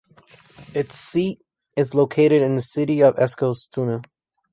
Its seat is located in the city of Eskilstuna.